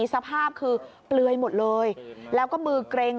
สภาพคือเปลือยหมดเลย